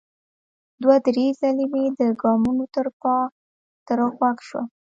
دوه ـ درې ځلې مې د ګامونو ترپا تر غوږ شوه.